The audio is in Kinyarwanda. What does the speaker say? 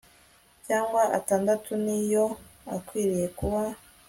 cyangwa atandatu ni yo akwiriye kuba